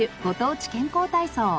ご当地健康体操。